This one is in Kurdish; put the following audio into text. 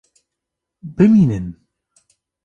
Bimînin!